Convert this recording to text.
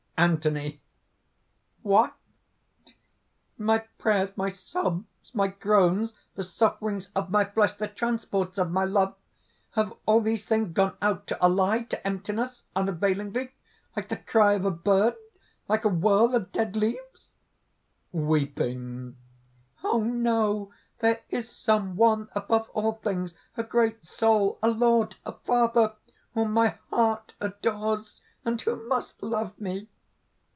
ANTHONY. "What? my prayers, my sobs, my groans, the sufferings of my flesh, the transports of my love, have all these things gone out to a lie, to emptiness, unavailingly like the cry of a bird, like a whirl of dead leaves?" (Weeping): "Oh, no! there is Some One above all things, a great Soul, a Lord, a Father whom my heart adores and who must love me!"